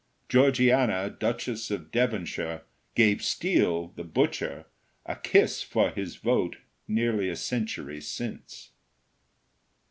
Georgiana, Duchess of Devonshire, gave Steel, the butcher, a kiss for his vote nearly a century since.